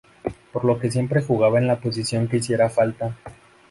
Por lo que siempre jugaba en la posición que hiciera falta.